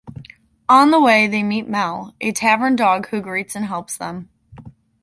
On the way they meet Mel, a tavern dog who greets and helps them.